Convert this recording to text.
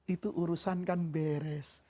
itu urusan kan beres